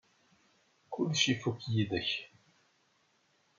Kullec ifuk yid-k.